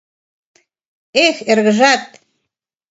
— Эх, эргыжат!